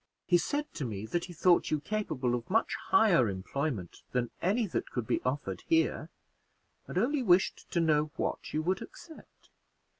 He said to me that he thought you capable of much higher employment than any that could be offered here, and only wished to know what you would accept.